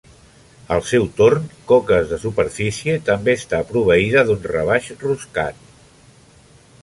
Al seu torn, coques de superfície també està proveïda d'un rebaix roscat.